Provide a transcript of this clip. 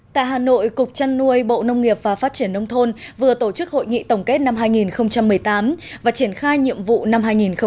tại hà nội cục trăn nuôi bộ nông nghiệp và phát triển nông thôn vừa tổ chức hội nghị tổng kết năm hai nghìn một mươi tám và triển khai nhiệm vụ năm hai nghìn một mươi chín